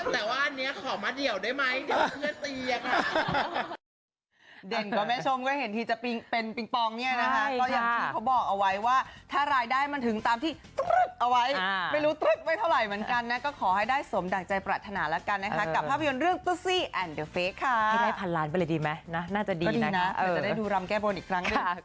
แต่ว่าอันนี้ขอมาเดี่ยวได้ไหมเดี๋ยวค่ะ